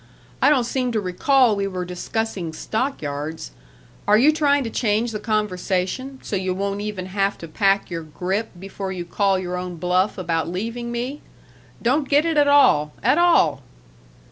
I don't seem to recall we were discussing stockyards. Are you trying to change the conversation, so you won't even have to pack your grip before you call your own bluff about leaving me? Don't get it at all, at all!"